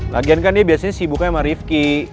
lagian kan dia biasanya sibuknya sama rifki